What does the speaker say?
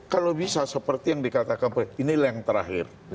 kalau bisa seperti yang dikatakan pak ini lah yang terakhir